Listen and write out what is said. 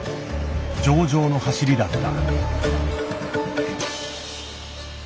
上々の走りだった。